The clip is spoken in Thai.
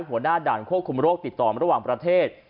หัวหน้าด่านควบคุมโรคติดต่อระหว่างประเทศ